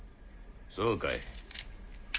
そうかい。